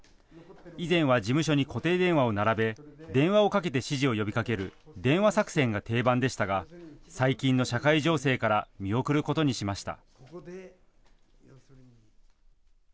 以前は事務所に固定電話を並べ電話をかけて支持を呼びかける電話作戦が定番でしたが最近の社会情勢から見送ることにしました。